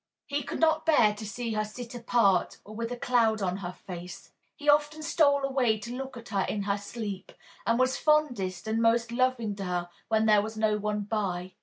He could not bear to see her sit apart or with a cloud on her face. He often stole away to look at her in her sleep, and was fondest and most loving to her when there was no one by.